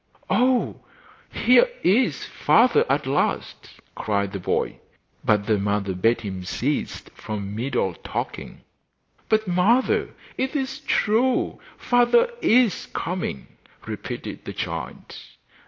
'Oh! there is father at last,' cried the boy; but the mother bade him cease from idle talking. 'But, mother, it is true; father is coming!' repeated the child.